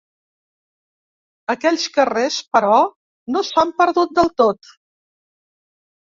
Aquells carrers, però, no s’han perdut del tot.